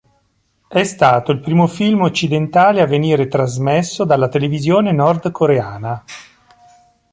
È stato il primo film occidentale a venire trasmesso dalla televisione nordcoreana.